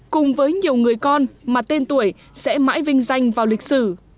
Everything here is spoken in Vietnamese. cùng với nhiều người con mà tên tuổi sẽ mãi vinh danh vào lịch sử